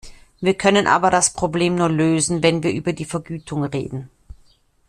Wir können aber das Problem nur lösen, wenn wir über die Vergütung reden.